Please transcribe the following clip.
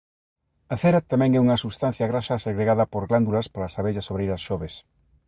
A cera tamén é unha substancia graxa segregada por glándulas polas abellas obreiras xoves.